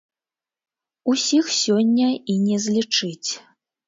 Усіх сёння і не злічыць.